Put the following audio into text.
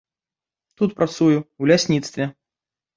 Тут працую ў лясніцтве.